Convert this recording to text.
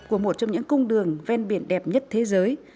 của một trong những cung đường ven biển đẹp nhất thế giới